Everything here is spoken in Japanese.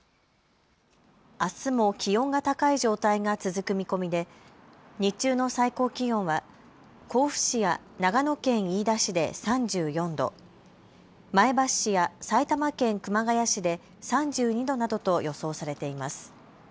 あすも気温が高い状態が続く見込みで日中の最高気温は甲府市や長野県飯田市で３４度、前橋市や埼玉県熊谷市で３２度などと予想されています。